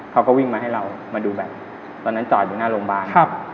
เขาก็วิ่งมาให้เรามาดูแบบตอนนั้นจอดอยู่หน้าโรงพยาบาล